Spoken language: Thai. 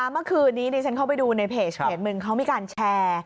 เมื่อคืนนี้ดิฉันเข้าไปดูในเพจหนึ่งเขามีการแชร์